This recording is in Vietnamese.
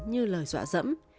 như lời dọa dẫm